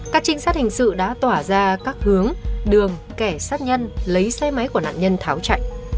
các trinh sát hình sự đã tỏa ra các hướng đường kẻ sát nhân lấy xe máy của nạn nhân tháo chạy